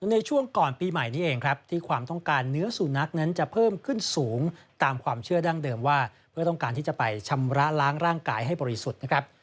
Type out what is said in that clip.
ในช่วงก่อนปีใหม่นี้เองครับที่ความต้องการเนื้อสุนัขนั้นจะเพิ่มขึ้นสูงตามความเชื่อดั้งเดิมว่าเพื่อต้องการที่จะไปชำระล้างร่างกายให้บริสุทธิ์นะครับ